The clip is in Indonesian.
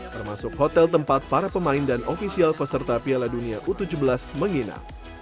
termasuk hotel tempat para pemain dan ofisial peserta piala dunia u tujuh belas menginap